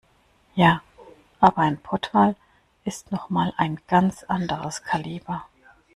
Ja, aber ein Pottwal ist noch mal ein ganz anderes Kaliber.